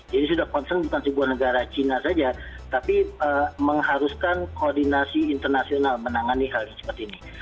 jadi sudah concern bukan sebuah negara cina saja tapi mengharuskan koordinasi internasional menangani hal yang seperti ini